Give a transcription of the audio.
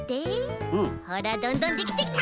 ほらどんどんできてきた！